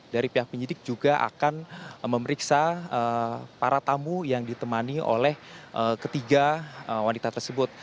dari pihak penyidik juga akan memeriksa para tamu yang ditemani oleh ketiga wanita tersebut